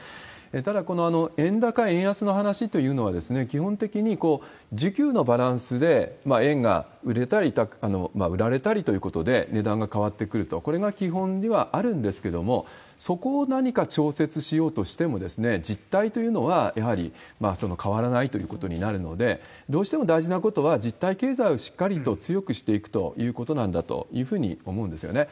ただ、この円高円安の話というのは、基本的に需給のバランスで円が売れたり売られたりということで値段が変わってくると、これが基本ではあるんですけれども、そこを何か調節しようとしても、実態というのは、やはり変わらないということになるので、どうしても大事なことは、実体経済をしっかりと強くしていくということなんだというふうに思うんですよね。